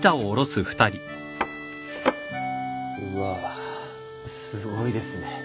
うわすごいですね。